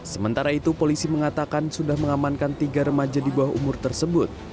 sementara itu polisi mengatakan sudah mengamankan tiga remaja di bawah umur tersebut